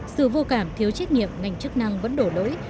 sự vô cảm thiếu trách nhiệm ngành chức năng vẫn đổ lỗi